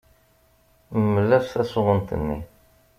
Mel-as tasɣunt-nni.